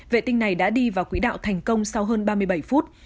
vệ tinh này đã đi vào quỹ đạo thành công sau hơn ba mươi bảy phút